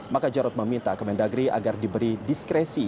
maka jarod meminta kemendagri agar diberi diskresi